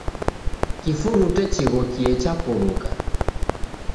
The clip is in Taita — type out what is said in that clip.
Kifurute chighokie chapuruka.